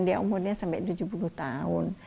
dia umurnya sampai tujuh puluh tahun